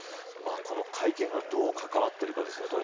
この会見がどう関わっているかですね。